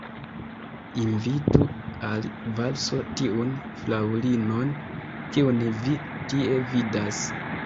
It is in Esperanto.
Invitu al valso tiun fraŭlinon, kiun vi tie vidas.